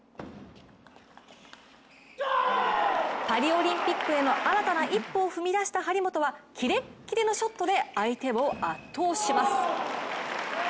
パリオリンピックへの新たな一歩を踏み出した張本はキレッキレのショットで相手を圧倒します。